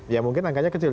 ya mungkin angkanya kecil